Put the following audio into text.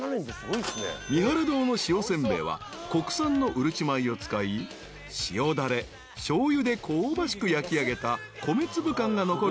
［三原堂の塩せんべいは国産のうるち米を使い塩だれしょうゆで香ばしく焼きあげた米粒感が残るお煎餅］